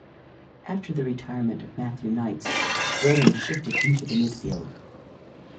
After the retirement of Matthew Knights, Rodan shifted into the midfield.